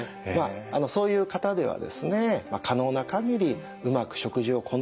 そういう方ではですね可能な限りうまく食事をコントロールする。